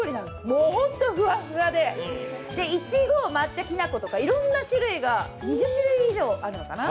もうホントふわっふわでいちご、抹茶、きな粉とかいろんな種類が、２０種類以上あるのかな。